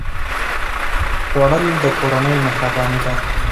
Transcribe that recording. خوړل د کورنۍ مهرباني ده